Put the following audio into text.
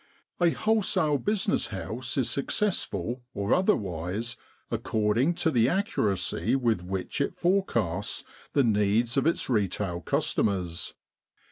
A wholesale business house is successful or otherwise according to the accuracy with which it forecasts the needs of its retail customers.